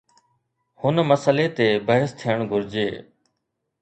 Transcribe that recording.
هن مسئلي تي بحث ٿيڻ گهرجي.